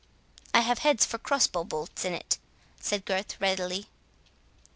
"I have heads for cross bow bolts in it," said Gurth, readily.